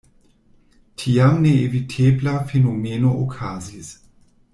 Tiam neevitebla fenomeno okazis.